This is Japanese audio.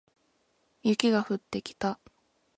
雪が降ってきた